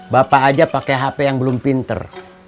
bapak aja pakai hp yang belum pinter